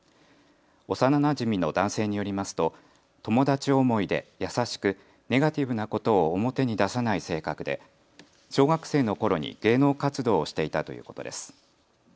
幼なじみの男性によりますと友達思いで優しく、ネガティブなことを表に出さない性格で小学生のころに芸能活動をしていたということです。